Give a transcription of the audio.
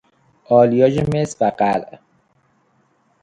آلیاژ مس و قلع